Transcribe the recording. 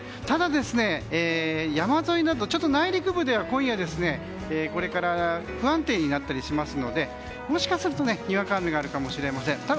ただ、山沿いなど内陸部では今夜これから不安定になったりしますのでもしかすると、にわか雨があるかもしれません。